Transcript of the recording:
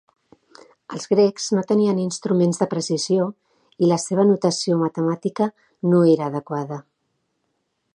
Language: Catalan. Els grecs no tenien instruments de precisió i la seva notació matemàtica no era adequada.